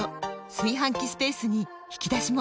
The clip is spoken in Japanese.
炊飯器スペースに引き出しも！